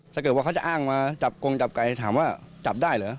ถ้าเกิดจะซ่อนมาคนจับกลงจับไกห์ไปถามว่าจับได้หรือ